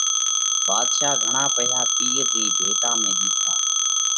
ڀاڌشا گھڻا پئِيها پِير رِي ڀيٽا ۾ ۮِيڌا۔